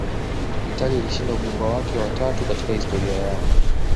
italia ilishinda ubingwa wake wa tatu katika historia yao